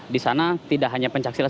di sana tidak hanya pencaksilat